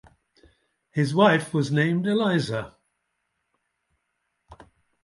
His wife was named Eliza.